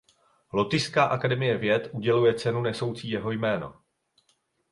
Lotyšská akademie věd uděluje cenu nesoucí jeho jméno.